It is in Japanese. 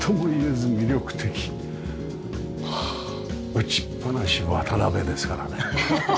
打ちっぱなし渡辺ですからね。